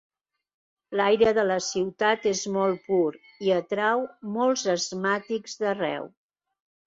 L'aire de la ciutat és molt pur, i atrau molts asmàtics d'arreu.